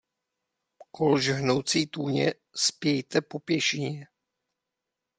Kol žhoucí tůně spějte po pěšině!